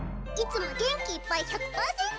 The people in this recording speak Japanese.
いつも元気いっぱい１００％！